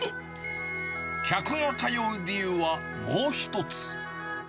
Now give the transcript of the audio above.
客が通う理由はもう一つ。